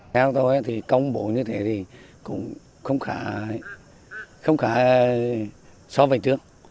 theo tôi thì công bố như thế thì cũng không khá so với trước